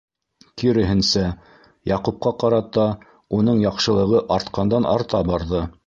Киреһенсә, Яҡупҡа ҡарата уның яҡшылығы артҡандан-арта барҙы.